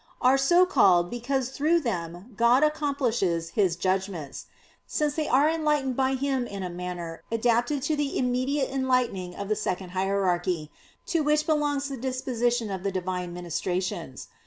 are so called "because through them God accomplishes His judgments," since they are enlightened by Him in a manner adapted to the immediate enlightening of the second hierarchy, to which belongs the disposition of the Divine ministrations.